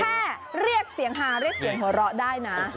แค่เรียกเสียงฮาเรียกเสียงหัวเราะได้นะ